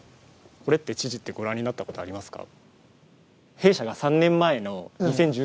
これって知事ってご覧になったことありますか？